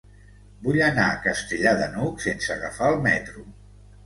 Vull anar a Castellar de n'Hug sense agafar el metro.